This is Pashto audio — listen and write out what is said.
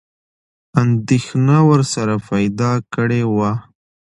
انېدښنه ورسره پیدا کړې وه.